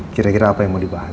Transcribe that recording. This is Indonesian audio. kira kira apa yang mau dibahas